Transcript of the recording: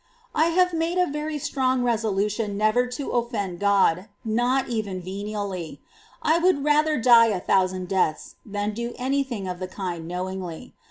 9. I have made a very strong resolution never to obedience, offend God, not even venially. I would rather die a of ^?aJr^ thousand deaths than do any thing of the kind Perfection, knowingly.